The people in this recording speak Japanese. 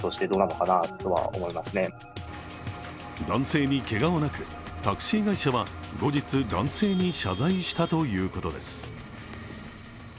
男性にけがはなく、タクシー会社は後日男性に謝罪したということです。